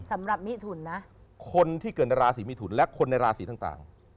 เกิดในราศีมีถุนและคนในราศีทั้งต่าง